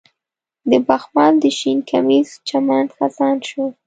د بخمل د شین کمیس چمن خزان شو